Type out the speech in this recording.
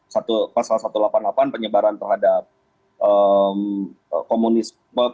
satu pasal satu ratus delapan puluh delapan penyebaran terhadap komunisme